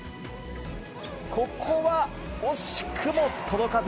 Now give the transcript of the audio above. ここは惜しくも届かず。